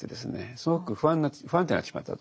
すごく不安定になってしまったと。